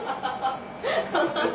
ハハハ！